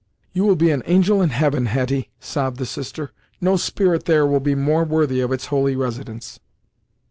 "You will be an angel in heaven, Hetty," sobbed the sister; "no spirit there will be more worthy of its holy residence!"